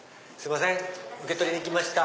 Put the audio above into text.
受け取りにきました。